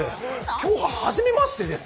今日がはじめましてです。